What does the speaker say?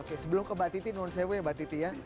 oke sebelum ke mbak titi nolong saya punya mbak titi ya